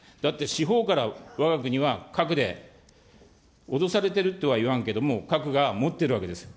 四方からわが国は核で脅されてるとは言わんけれども、核が、持ってるわけです。